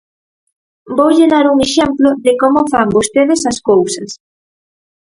Voulle dar un exemplo de como fan vostedes as cousas.